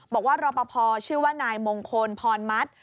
บอกว่ารบพชื่อว่านายมงคลพรมัฒฯ